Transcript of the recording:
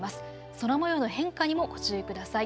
空もようの変化にもご注意ください。